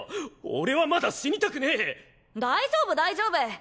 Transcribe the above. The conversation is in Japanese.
俺はまだ死にたくねえ大丈夫大丈夫